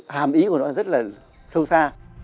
hàm ý của nó rất là sâu xa